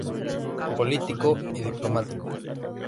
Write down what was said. Político y diplomático.